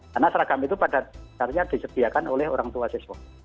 karena seragam itu pada saatnya disediakan oleh orang tua sesuai